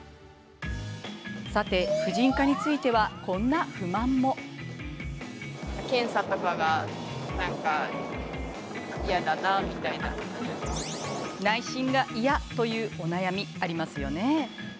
さて、婦人科についてはこんな不満も。内診がイヤ！というお悩みありますよね。